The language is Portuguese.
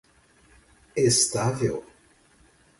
estável